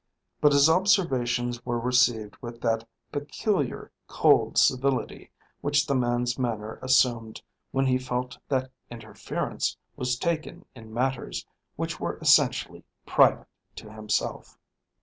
But his observations were received with that peculiar cold civility which the man's manner assumed when he felt that interference was taken in matters which were essentially private to himself.